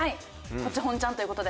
こっち本ちゃんという事で。